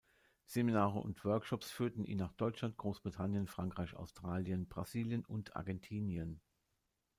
Seminare und Workshops führten ihn nach Deutschland, Großbritannien, Frankreich, Australien, Brasilien und Argentinien.